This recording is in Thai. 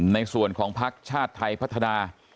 ในส่วนของภักดิ์ชาติไทยพัฒนา